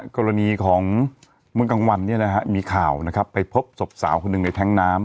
กรณีของเมืองกังวันเนี้ยนะฮะมีข่าวนะครับไปพบสอบสาวคนนึงในแท้งน้ำ